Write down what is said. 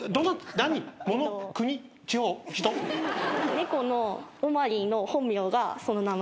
猫のオマリーの本名がその名前なんです。